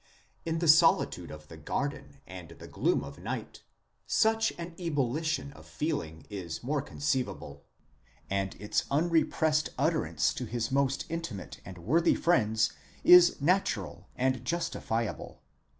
In the solitude of the garden and the gloom of night, such an ebullition of feeling is more con ceivable; and its unrepressed utterance to his most intimate and worthy friends is natural and justifiable.